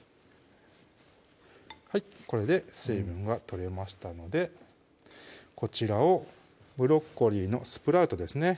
はいこれで水分が取れましたのでこちらをブロッコリーのスプラウトですね